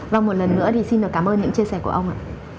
và một lần nữa thì xin cảm ơn những chia sẻ của ông ạ